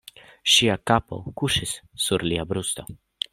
Ŝia kapo kuŝis sur lia brusto.